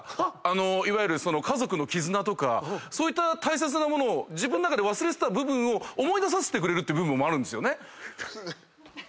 そういった大切なものを自分の中で忘れてた部分を思い出させてくれるって部分もあるんですよね。